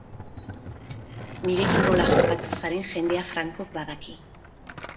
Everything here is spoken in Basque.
Nirekin nola jokatu zaren jendea frankok badaki.